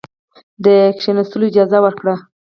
د کښېنستلو اجازه ورکړه.